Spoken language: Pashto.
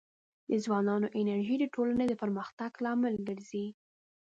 د ځوانانو انرژي د ټولنې د پرمختګ لامل ګرځي.